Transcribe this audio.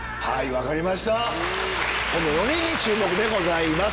分かりましたこの４人に注目でございます。